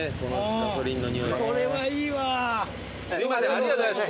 ありがとうございます。